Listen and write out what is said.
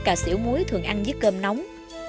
cà xỉu muối thường ăn với cơm nóng